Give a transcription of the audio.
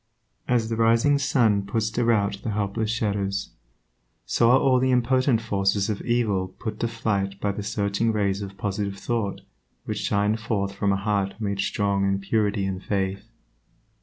As the rising sun puts to rout the helpless shadows, so are all the impotent forces of evil put to flight by the searching rays of positive thought which shine forth from a heart made strong in purity and faith.